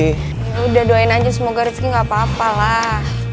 yaudah doain aja semoga rifki gapapa lah